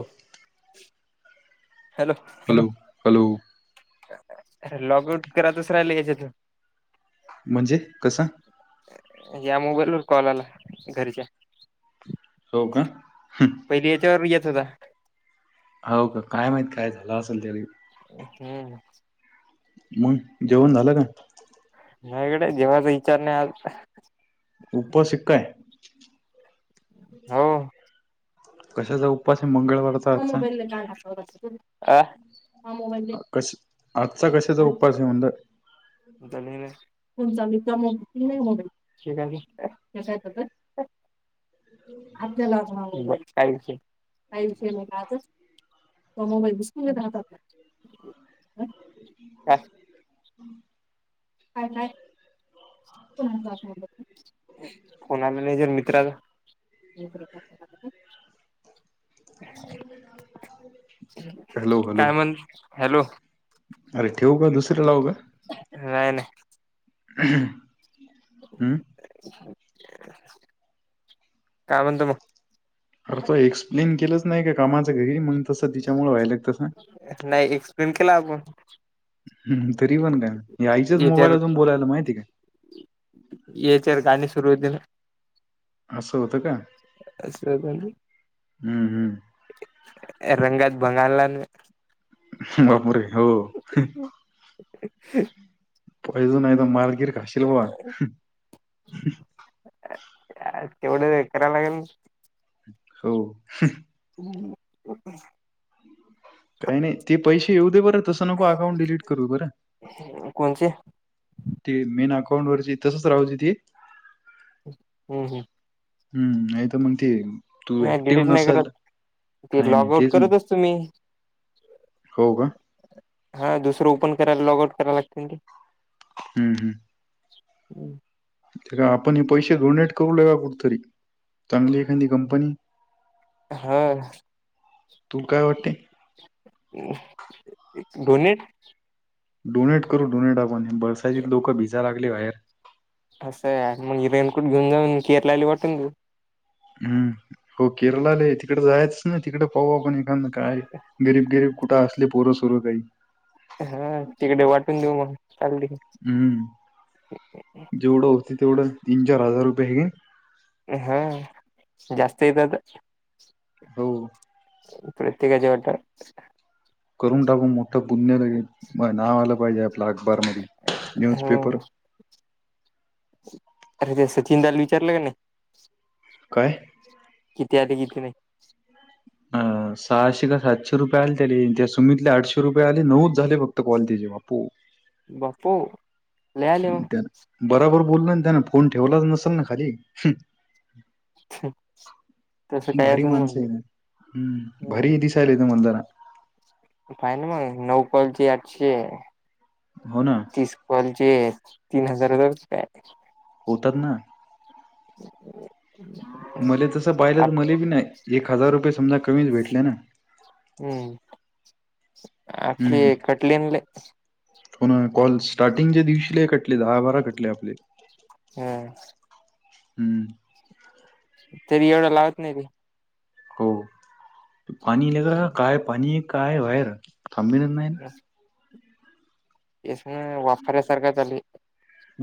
हो hello. Hello hello. Log out करतच राहिलं याच्यातून म्हणजे कसं. या मोबाईल वर कॉल आला घरच्या. हो का. पहिली याच्यावर येत होता. हो का काय माहित काय झालं असेल त्यारी. हम्म. मग जेवण झालं का नाहीकडे जेवाचा विचार नाही आज उप शिकय हो कशाचा उपास मंगळवार ममबईल का कश आजचा कशाचा उपवास आहे म्हणज दलले कोण चाली कम नाही कस य आपल्याला काही विषेल का आता. म मोबाईल बसकून घेत राहात आपला. [inaudible] ह काा को भा कोणालानेजर मित्राचा ह ब हॅलो हॅलो काय म्हण हॅलो अरे ठेवू का दुसरे लावू का नाही नाही हम काय म्हणतो मग अर त एक्सप्लेन केलंच नाही का कामाचं घरी मग तसं तिच्यामुळे व्हायला तसं नाही एक्सप्लेन केला आपण ह तरी पण काय आईच्याच याच्यावर मोबाईलतून बोलायला माहिती काय याच्यावर गाणी सुरु होतील ना असं होतं का अ हम्म हम् रंगात बंगाणला बापर हो ह् [inaudible] पॉइझन नाही त मारगिर खशील बा. तेवढं करायला लागेल ना हो हम्म काही नाही ते पैसे येऊ दे बरं तसं नको अकाउंट डिलीट करू बरं. कोणचे ती मेन अकाउंट वरची तसच राहूदे ती. हम् हम् हम्म नाही तर मग ते तू नाही ॲक्टिव्ह डिडिट नाही नसेल करत ते नाही, नाही. लॉग आउट तेच मग. करत असतो मी. हो का हा दुसर ओपन कराला लॉग आउट कराय लाग ना. हम् हम् हम्म ते का आपण हे पैसे डोनेट करू ला का कुठेतरी चांगली एखादी कंपनी हां तू काय वाटते. डोनेट डोनेट करू डोनेट आपण बरसात लोक भिजा लागले बाहेर. असं आहे मग रेनकोट घेऊन जाऊन केरलाला वाटून घेऊ. हम्म हो केरळला तिकड जायच नाही तिकडे पाहू पण एखादा काय गरीब गरीब कुठं असले पोरं सोरं काही. हा तिकडे वाटून देऊ मग चालली. हम्म जेवढं होत तेवढं तीन चार हजार रुपये येईल. हा जास्त येतात. हो प्रत्येकाचे वाटत करून टाकू मोठं पुण्य लागेल नाव आलं पाहिजे आपला अकबार मध्ये हो न्यूजपेपर अरे ते सचिन दाला विचारलं का नाही? काय किती आले किती नाही. सहाशे का सातशे रुपये आले त्या त्या सुमीतला आठशे रुपये आले नऊच झाले फक्त कॉल त्याचे बापू. बापो बराबर बोलल ना त्यान फोन ठेवलाच नसेल ना खाली. तसं काय भारी असेल मग माणसं मी आहे हम्म भारी दि चचाल त मंदरा काही नाही मग नऊ कालचे आठशे. हो ना तीस कॉल चे तीन हजार आले होते काय. होतात ना मले तसं पाहिलं आप तर मले बी नाही एक हजार रुपये समजा कमीच भेटले ना. हम्म आली कटले ना लय होण कॉल स्टार्टिंगचे दिवशी कटले दहा बारा कटले आपले. हम्म हम्म तरी एवढं लावत नाही मी हो पाणील ते का काय पाणी काय बाहेर थांबणार नाही. ना. [inaudible] एम वाफऱ्यासारखा चाल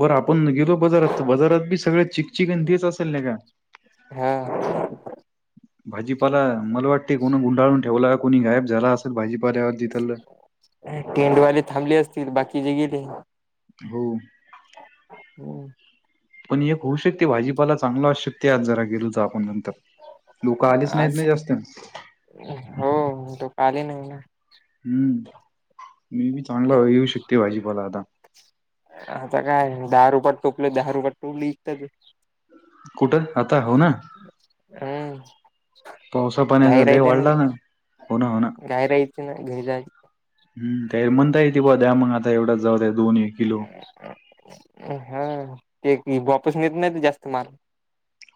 बरं आपण गेलो जारात बाजारात बी सगळ चिकचिकंतीच असेल ना का हा भाजीपाला मला वाटते कोणा गुंडाळून ठेवला का कोणी गायब झाला असेल भाजीपावरती तर टेंटवाले थांबले असतील बाकीचेे गेले हो पण एक होऊ शकते भाजीपाला चांगला असू शकते आज जरा गेलो तर आपण नंतर लोक आलीच नाहीत आज नाही जास्त हो तो काले नाही ना हम्म मी बी चांगला येऊ शकते भाजीपाला आता आता काय दहा रुपयात टोपले दहा रुपयात टोपली इतच कुठं आता हो ना हम् पावसा पाण्याचा गाय लय राहिते ना वाढला हो ना हो ना. गाय रायच ना घरी जा हम् त म्हणता येत ब द्या मग आता एवढाच जाऊय दोन एक किलो हा ते वापस नेत नाहीत जास्त माल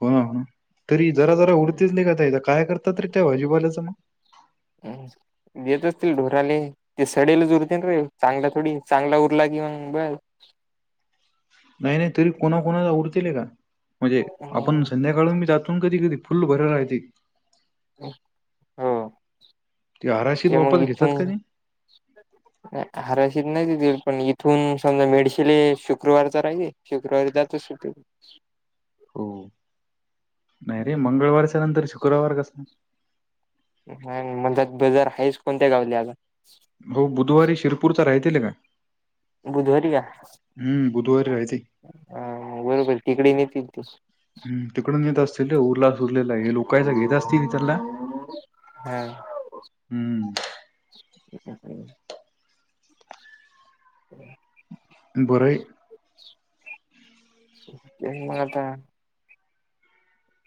होणा होणा तरी जरा जरा उडतेच नाही काथ काय करतात तरी त्या भाजीबाल्याचं मग हम् देत असतील ढोराले ते सडेलच उरतील रे चांगला थोडी चांगला उरला किवाग ब नाही नाही तरी कोणाकणाला उडतीलय का म्हणजे आपण संध्याकाळी काळून मी जातून कधीधी फुल भर राह हो ते आराशीत वापर घेतात काध नाही हरशीत नाही ततील पण इथून समजा मेडशिले शुक्रवार तर राहिे शुक्रवारी जातच सुटे ह् हो नाही रे मंगळवारच्या नंतर शुक्रवार कसा हा म्हणजात बजार हाच कोणत्या गावले आता हो बुधवारी शिरपूरचा राहतील का बुधवारी का हम्म बुधवारी राहते बरोबर तिकडी नतील ती हम् तिकडून येत असतील उरलास उरलेला हे लोकयच घेत असतील इ त्याला हा हम्म ह ह बरे ते मगता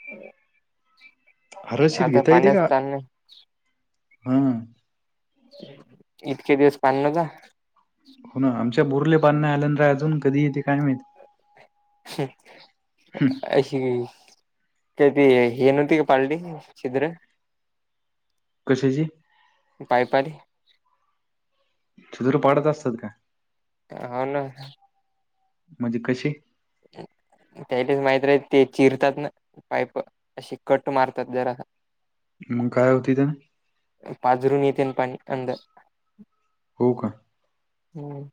ह हरशित घेता येते का हा इतके दिवस पान न का हो आमच्या बोरले बांधण्यात आल्या न रा अजून कधी येते काय माहिती हं, अशी ग ती येनती का पाल्टि शद्र कसेची पापारीली छिद्र पाडत असतात का हो ना म्हणजे कसे त्यायलेच माहित राहते ना ते चिरतात ना पाईप अशी कट मारतात जरा मग काय होते तेन पाझरून येते ना पाणी अंधर हो का हम्म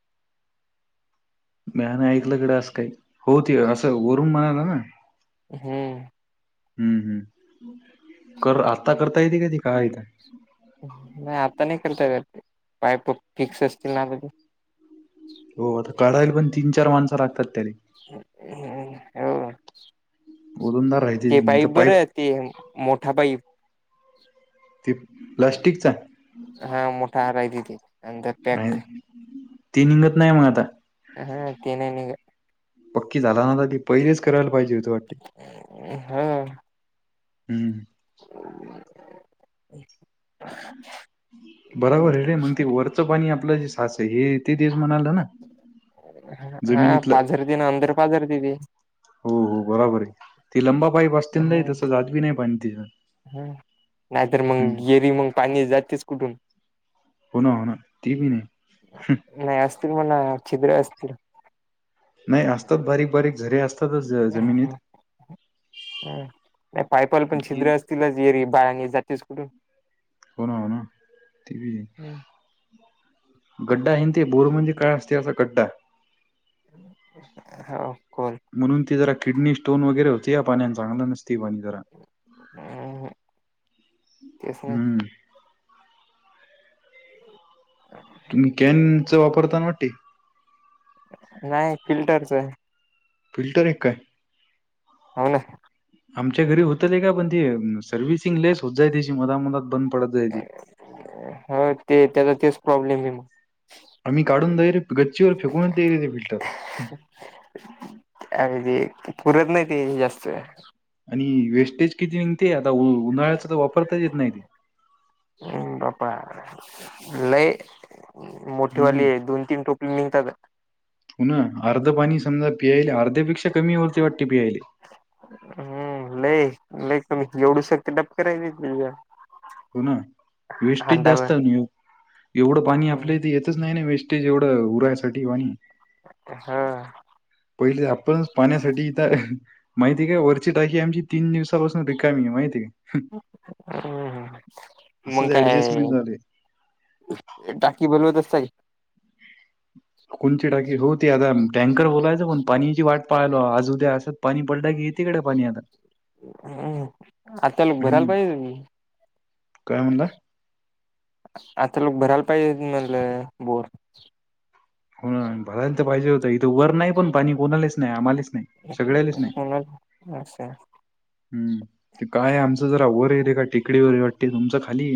म्या नाही ऐकलं गड्या असं काही हो ते असं वरून म्हणाला ना. हो. हम्म हम्म. कर आता करता येते का ती का हाय त नाही. आता नाही करता येत पाईप फिक्स असतील ना ते. हो. आता कढायला पण तीन, चार माणसं लागतात त्याले. हम्म हो. ओलंदार राहते ती त्यांनी पाईप तर बर ते मोठा पाईप. ते प्लास्टिकचा? हा मोठा हारयतती अंदर पॅक. ती निघत नाही मग आता. हा. ते नाही निघ पक्की झाला ना तर ती पहिलीच करायला पाहिजे हुत वाटत. हो. हम्म. [inaudible] बराबर हे रे म्हण ते वरचं पाणी आपलं जे सास आहे हे ते दिवस म्हणालं ना. हा जमिनीतलं पाझर तेना अंदर पाझर ते. हो हो बराबर आहे. ती लंबा पाईप असतील नाही तसं जात बी नाही पाणी ति ह नाहीतर मग गिरी मग पाणी जातेच कुठून? होना ते भी नही. हम्म. नाही. असतील मण छिद्र असतील. नाही. असतात बारीक बारीक झरे अस हम्म हम्म. नाही पायपाला पण ती छिद्र अस तिलाच येरी बाळानी जातेस कुठून? हो ना, हो ना. ते भी. गड्डा आहे ते बोर मध्ये काय असते असा गड्डा. होवं कोण? म्हणून ती जरा किडनी स्टोन वगैरे होती या पाण्यान चांगला नसती पाणी जरा. हम्म तेच ना. हम्म तुम्ही कॅनचा वापरता ना वाटे? नाही फिल्टरच. फिल्टर हे का काय? हो ना. आमच्या घरी होत ले का पण ते सर्व्हिसिंग लेस होत जाई त्याची मधा मधात बंद पडत जाय ती हो ते त्याचा तेच प्रॉब्लेम आहे म आम्ही काढून दायरेक गच्चीवर फेकूनच दई रे ते फिल्टर. अ ते पुरत नाही ते जास्त. आणि वेस्टेज किती निघते? आता उन्हाळ्याच तर वापरताच येत नाही ते. हम्म बापा लई. हम्म मोठीवाली हे दोन, तीन टोपली निघतात. हो ना. अर्ध पाणी समजा पियला, अर्ध्यापेक्षा कमी वरती वाटते पियाले. हम्म. लई लईक म एवढू शकते टडप कराय त हो ना. वेस्टेज जास्त नाही ओ. एवढं पाणी आपल्या इथ येतच नाही ना वेस ते जेवढं उरायसाठी पाणी. हा. पहिले आपण पाण्यासाठी इथं माहिती काय वरची टाकी आमची तीन दिवसापासून रिकामी आहे माहिती हम्म हम्म. मंग असंच काय? ऍडजस्टमेंट झाले टाकी बोलवत असताय. कोणची टाकी हो ते. आता टँकर बोलायचं पण पाण्याची वाट पाहालो आज, उद्या असं. पाणी पडलं की इ ततीकडे पाणी आता हम आता लोक भरायला हम्म पाहिजे काय म्हणला आताल बराल पाहि मल बोर हो भरायला तर पाहिजे होत इथं वर नाही पण पाणी कोणालेच नाही आम्हालेच नाही सगळ्यालाच ण असचा हम् ते काय आमचं जरा वे का टेिकडीवर वाटते तुमच खाली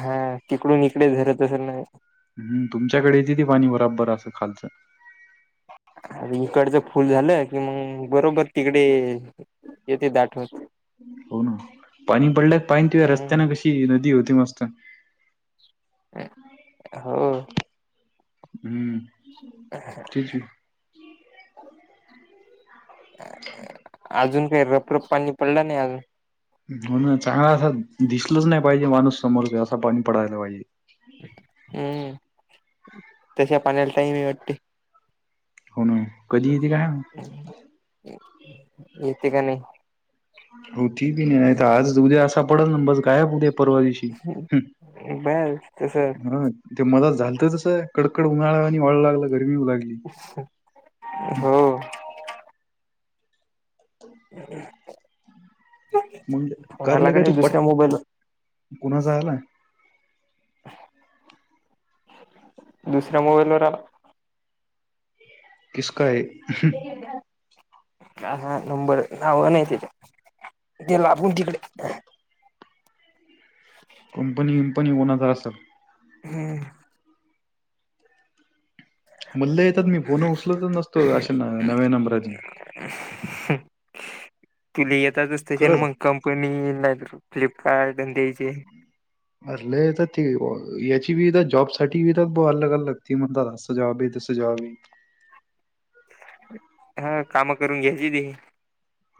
हा तिकडून इकडे झधरत असेल नाही हम् तुमच्याकडे येत ती पाणी बराबर असं खालचं अर इकडचं फुल झालं कि मग बरोबर तिकडे येते दाठवत हो ना पाणी पडल्या पाणी तेिव्हा रस्त्याने हम्म कशी नदी होती मस्त हो हम् ठीक आहे अजून काही रपरप पाणी पडलं नाही अजून हो ना चांगला असा दिसलच नाही पाहिजे माणूस समोर असं पाणी पडायला पाहिजे हम्म तशा पाण्याला टही मी वाटते हो ना कधी येते काय येत का नाही होती बी नाही नाही आज उद्या असा पडल ना बस काय उद्या परवा दिशी ह बस तस ते मलात झालतचस कडकड उन्हाळा आणि व वाळू लागला गरमी होऊ लागली च् हो हम मग कारले का फोनालागडे ते पट दुसऱ्या मोबाईल कुणाचा आला दुसऱ्या मोबाईलवर कस का आहे ह हा नंबर ना नते ते ला तकडे ह कंपनी विंपनी होणार तर असल हम् म्हणलं येतात मी फोन उचलतच नसतो अशा नव्या नंबराची तुला येतातचतेशन खरंच मग कंपनी नाही फ्लिपकार्ट द्यायचे अरल तर ती याची बी तर जॉब साठी बी तर अल्लगलग त म्हणतात अस सजावी ते सजावी हा काम करून घ्यायची ती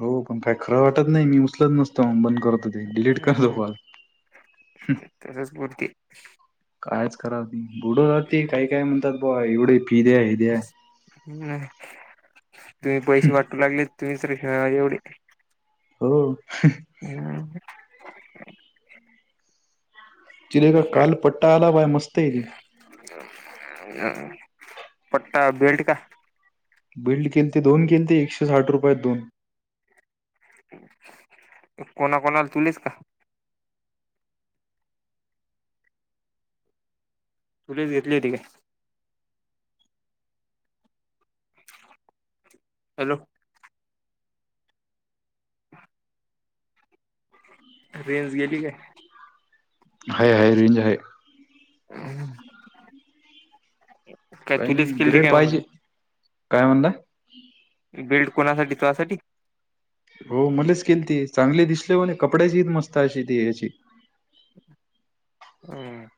हो पण काय खरं वाटत नाही मी उचलत नसतो बंद करत हम तसच भरती कायच कराव ती बुड रा ती काही काय म्हणतात ब एवढे पि दे्या ह दे्या हम्म तुम्ही पैसे वाटू लागले तुम्ही तरे एवढे हो हम् चिर का काल पट्टा आला बाय मस्त आहेली अ पट्टा बेलट का बिल्ड केल ते दोन केल ते एकशे साठ रुपयात दोन कोणा कोणाला तुलेस का तुलीच घेतलीय ती काय हॅलो रेंज गेली काय? हाय, हाय. रेंज हाय. हम्. काही नाही ब्रेड पाहिजे. काय म्हणला? बेल्ट, कोणासाठी? तुसाठी? हो मलाच केलती. चांगली दिसले म्हणे. कपड्याचीयत मस्त, अशी ती. याची. हम्.